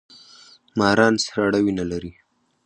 ماران سړه وینه لري